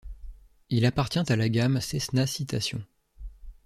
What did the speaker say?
Il appartient à la gamme Cessna Citation.